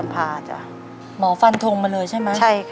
ปานนี้